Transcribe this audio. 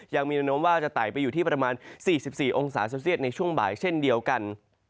ยังมีแนวโน้มว่าจะไต่ไปอยู่ที่ประมาณ๔๔องศาเซลเซียตในช่วงบ่ายเช่นเดียวกัน